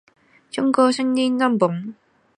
见贤思齐焉